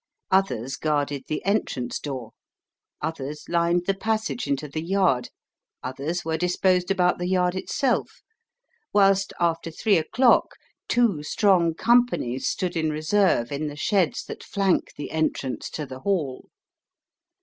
Others guarded the entrance door; others lined the passage into the yard, others were disposed about the yard itself; whilst, after three o'clock, two strong companies stood in reserve in the sheds that flank the entrance to the Hall.